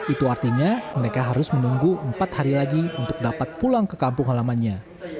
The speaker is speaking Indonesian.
itu artinya mereka harus menunggu empat hari lagi untuk dapat pulang ke kampung halamannya